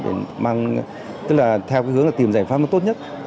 để mang tức là theo hướng là tìm giải pháp tốt nhất